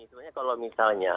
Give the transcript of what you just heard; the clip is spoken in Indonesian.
sebenarnya kalau misalnya